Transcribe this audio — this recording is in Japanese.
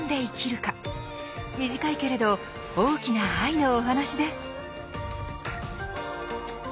短いけれど大きな愛のお話です。